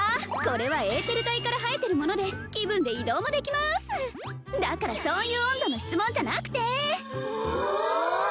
これはエーテル体から生えてるもので気分で移動もできまーすだからそういう温度の質問じゃなくておお！